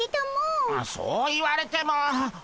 そう言われても。